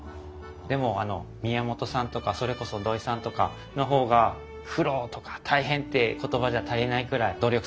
でも宮本さんとかそれこそ土井さんとかの方が苦労とか大変って言葉じゃ足りないくらい努力されて苦労されとると思います。